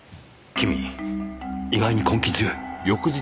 君意外に根気強い。